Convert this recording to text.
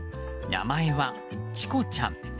名前は、チコちゃん。